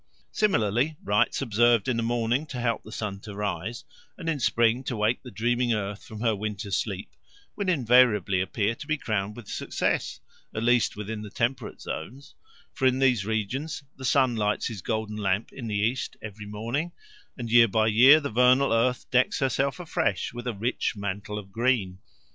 Similarly, rites observed in the morning to help the sun to rise, and in spring to wake the dreaming earth from her winter sleep, will invariably appear to be crowned with success, at least within the temperate zones; for in these regions the sun lights his golden lamp in the east every morning, and year by year the vernal earth decks herself afresh with a rich mantle of green.